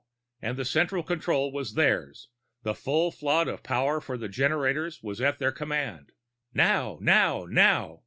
And the central control was theirs; the full flood of power from the generators was at their command. "Now! Now! Now!"